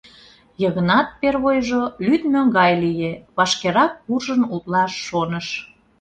Йыгнат первойжо лӱдмӧ гай лие, вашкерак куржын утлаш шоныш.